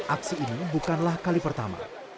aksi ini bukanlah kali pertama